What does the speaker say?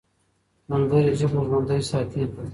سندرې ژبه ژوندۍ ساتي.